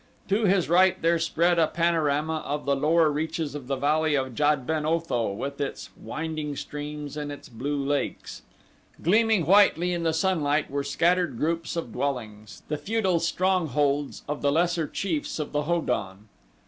To his right there spread a panorama of the lower reaches of the Valley of Jad ben Otho, with its winding streams and its blue lakes. Gleaming whitely in the sunlight were scattered groups of dwellings the feudal strongholds of the lesser chiefs of the Ho don.